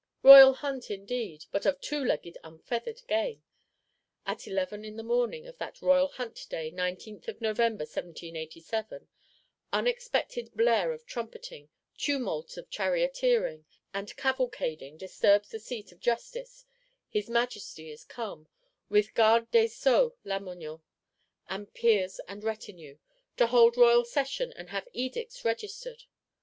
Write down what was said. Royal Hunt indeed; but of two legged unfeathered game! At eleven in the morning of that Royal Hunt day, 19th of November 1787, unexpected blare of trumpetting, tumult of charioteering and cavalcading disturbs the Seat of Justice: his Majesty is come, with Garde des Sceaux Lamoignon, and Peers and retinue, to hold Royal Session and have Edicts registered.